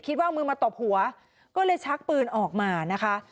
ว่าเอามือมาตบหัวก็เลยชักปืนออกมานะคะ